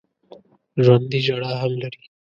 ژوندي ژړا هم لري